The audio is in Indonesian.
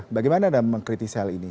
bagaimana anda mengkritisi hal ini